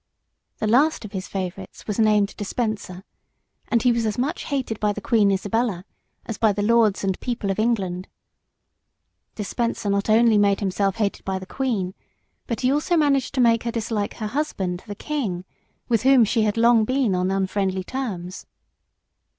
The last of his favourites was named Despenser, and he was as much hated by the Queen Isabella as by the lords and people of England. Despenser not only made himself hated by the queen, but he managed also to make her dislike her husband, the king, with whom she had long been on unfriendly terms.